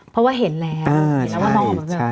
เพราะว่าเห็นแล้ว